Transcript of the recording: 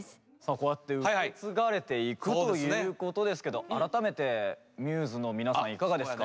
こうやって受け継がれていくということですけど改めてμ’ｓの皆さんいかがですか？